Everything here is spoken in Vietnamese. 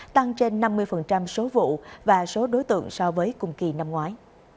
tăng trên năm mươi số vụ và số đối tượng so với cùng kỳ năm ngoái